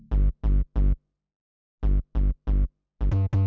ya tidak mau